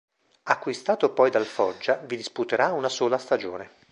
Acquistato poi dal Foggia, vi disputerà una sola stagione.